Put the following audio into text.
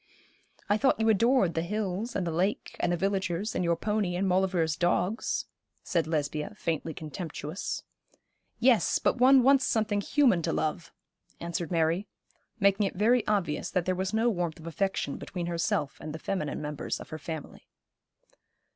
'I thought you adored the hills, and the lake, and the villagers, and your pony, and Maulevrier's dogs,' said, Lesbia faintly contemptuous. 'Yes, but one wants something human to love,' answered Mary, making it very obvious that there was no warmth of affection between herself and the feminine members of her family.